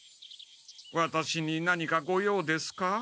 ワタシに何かごようですか？